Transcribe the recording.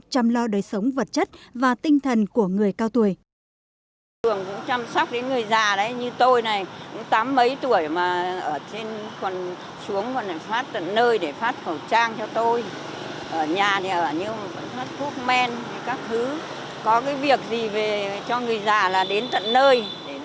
chăm lo đời sống vật chất và tinh thần của người cao tuổi